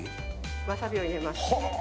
わさびを入れます。